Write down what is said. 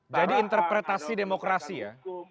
jadi interpretasi demokrasi ya